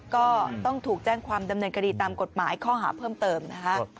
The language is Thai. ก็ต้องถูกแจ้งความดำเนินคดีตามกฎหมายข้อหาเพิ่มเติมนะคะ